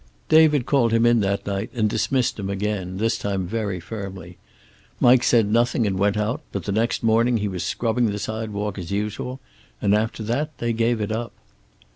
David called him in that night and dismissed him again, this time very firmly. Mike said nothing and went out, but the next morning he was scrubbing the sidewalk as usual, and after that they gave it up.